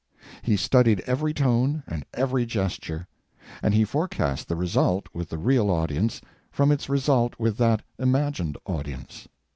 He studied every tone and every gesture, and he forecast the result with the real audience from its result with that imagined audience.